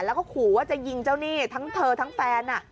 แล้วก็ขู่ว่าจะยิงเจ้าหนี้ทั้งเธอทั้งแฟน